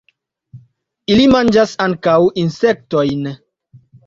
Ili manĝas ankaŭ insektojn.